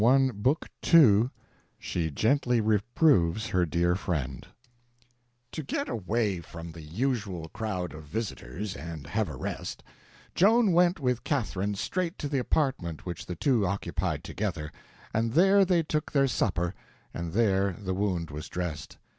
Chapter 21 She Gently Reproves Her Dear Friend TO GET away from the usual crowd of visitors and have a rest, Joan went with Catherine straight to the apartment which the two occupied together, and there they took their supper and there the wound was dressed.